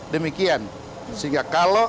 demikian sehingga kalau